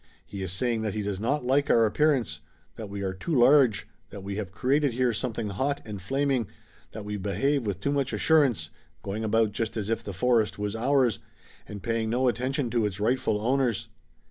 He is saying that he does not like our appearance, that we are too large, that we have created here something hot and flaming, that we behave with too much assurance, going about just as if the forest was ours, and paying no attention to its rightful owners."